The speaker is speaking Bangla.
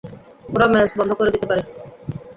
ওরা মেস বন্ধ করে দিতে পারে।